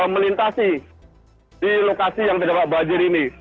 melintasi di lokasi yang terjebak banjir ini